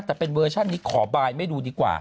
แต่เป็นเวอร์ชันนี้ขอบายไม่ดูดีกว่า